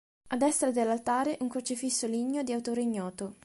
A destra dell'altare un Crocifisso ligneo di autore ignoto.